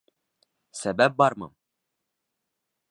Сәбәп бармы?